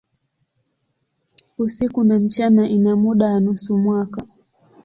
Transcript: Usiku na mchana ina muda wa nusu mwaka.